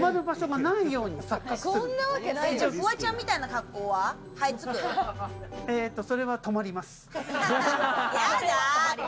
フワちゃんみたいな格好はハそれは止まります。